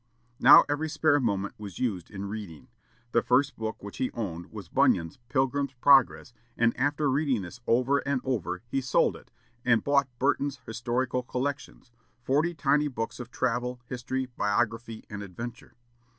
Now every spare moment was used in reading. The first book which he owned was Bunyan's "Pilgrim's Progress," and after reading this over and over, he sold it, and bought Burton's "Historical Collections," forty tiny books of travel, history, biography, and adventure.